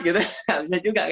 nggak bisa juga